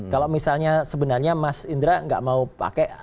kalau misalnya sebenarnya mas indra nggak mau pakai